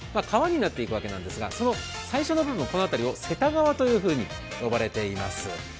川になっていくわけなんですが、その最初の部分この辺りは瀬田川と呼ばれています。